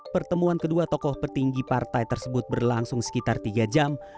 pertemuan kedua tokoh petinggi partai tersebut berlangsung sekitar tiga jam